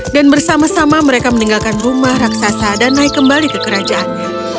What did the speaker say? dan bersama sama mereka meninggalkan rumah raksasa dan naik kembali ke kerajaannya